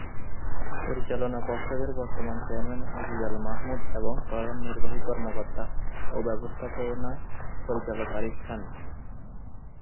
পরিচালনা পর্ষদের বর্তমান চেয়ারম্যান আজিজ আল মাহমুদ এবং প্রধান নির্বাহী কর্মকর্তা ও ব্যবস্থাপনা পরিচালক আরিফ খান।